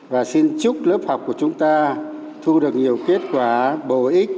và xin chúc lớp học của chúng ta thu được nhiều kết quả bổ ích